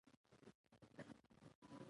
لیوه له وري څخه د خوړلو لپاره پلمه لټوله.